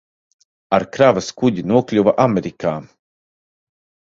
Ar kravas kuģi nokļuva Amerikā.